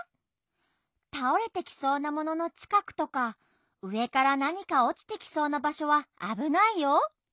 たおれてきそうなもののちかくとかうえからなにかおちてきそうなばしょはあぶないよ。